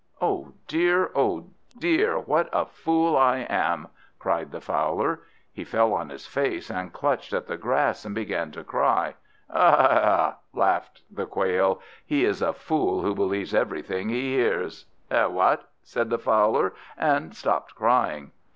"Oh dear, oh dear, what a fool I am!" cried the Fowler. He fell on his face, and clutched at the grass, and began to cry. "Ha, ha, ha!" laughed the Quail. "He is a fool who believes everything he hears." "Eh? what?" said the Fowler, and stopped crying.